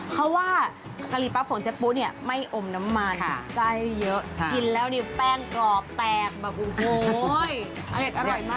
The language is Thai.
เพราะว่ากะหรี่ปั๊บของเจ๊ปุ๊เนี่ยไม่อมน้ำมันไส้เยอะกินแล้วเนี่ยแป้งกรอบแตกแบบโอ้โหอร่อยมาก